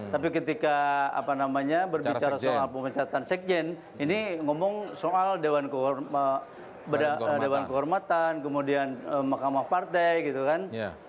tapi ketika apa namanya berbicara soal pemecatan sekjen ini ngomong soal dewan kehormatan kemudian mahkamah partai gitu kan